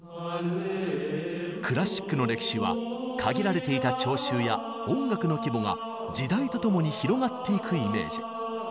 クラシックの歴史は限られていた聴衆や音楽の規模が時代とともに広がっていくイメージ。